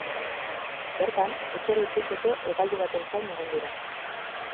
Bertan etxera itzultzeko hegaldi baten zain egon dira.